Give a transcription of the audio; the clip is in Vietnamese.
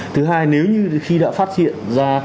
thứ hai nếu như khi đã phát hiện ra